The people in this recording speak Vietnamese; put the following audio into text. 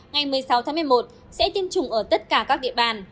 ngày một mươi sáu tháng một mươi một sẽ tiêm chủng ở tất cả các địa bàn